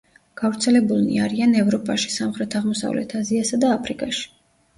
გავრცელებულნი არიან ევროპაში, სამხრეთ-აღმოსავლეთ აზიასა და აფრიკაში.